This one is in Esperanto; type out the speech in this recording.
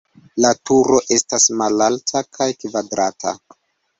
La turo estas malalta kaj kvadrata.